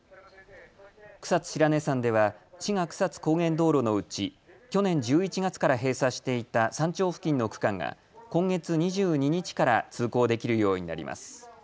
草津白根山では志賀草津高原道路のうち去年１１月から閉鎖していた山頂付近の区間が今月２２日から通行できるようになります。